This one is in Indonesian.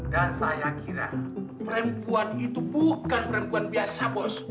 dan saya kira perempuan itu bukan perempuan biasa bos